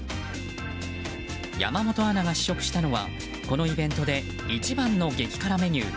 山本アナが試食したのはこのイベントで一番の激辛メニュー